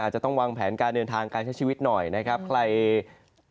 ช่วงเย็นนี้จะแย่หน่อยนะกรุงเทพ